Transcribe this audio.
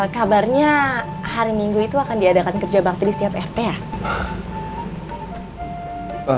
kabarnya hari minggu itu akan diadakan kerja bakti di setiap rt ya